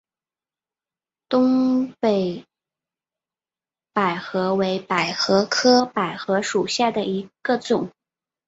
东北百合为百合科百合属下的一个种。